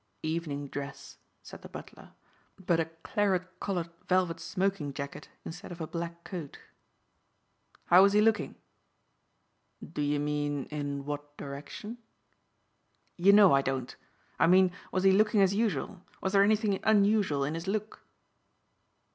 "Evening dress," said the butler, "but a claret colored velvet smoking jacket instead of a black coat." "How was he looking?" "Do you mean in what direction?" "You know I don't. I mean was he looking as usual? Was there anything unusual in his look?"